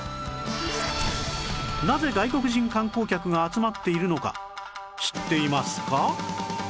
なぜ外国人観光客が集まっているのか知っていますか？